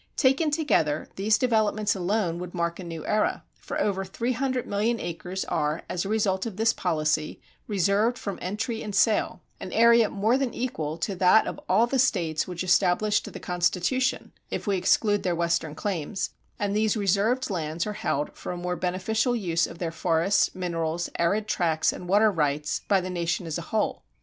Taken together these developments alone would mark a new era, for over three hundred million acres are, as a result of this policy, reserved from entry and sale, an area more than equal to that of all the states which established the constitution, if we exclude their western claims; and these reserved lands are held for a more beneficial use of their forests, minerals, arid tracts, and water rights, by the nation as a whole.